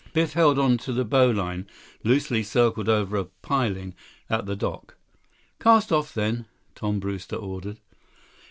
Biff held on to the bow line, loosely circled over a piling at the dock. "Cast off, then," Tom Brewster ordered.